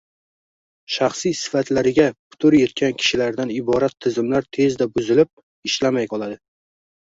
shaxsiy sifatlariga putur yetgan kishilardan iborat tizimlar tezda buzilib, ishlamay qoladi